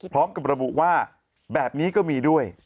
พร้อมกับระบุว่าแบบนี้ก็มีด้วย